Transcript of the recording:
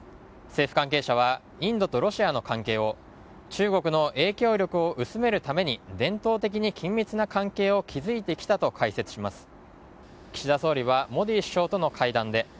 政府関係者はインドとロシアの関係を中国の影響力を薄めるために伝統的に緊密な関係を築いてきたと解説します。